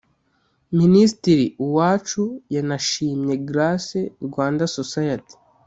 Minisitiri Uwacu yanashimye Grace Rwanda Society